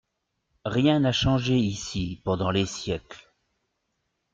Rien n'a changé ici pendant les siècles.